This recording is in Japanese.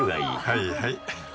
はいはい。